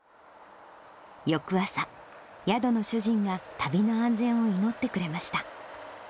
翌朝、宿の主人が旅の安全を祈ってくれました。